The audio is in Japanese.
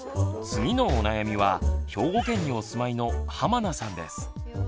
次のお悩みは兵庫県にお住まいの濱名さんです。